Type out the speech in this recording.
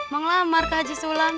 mau ngelamar ke haji sulam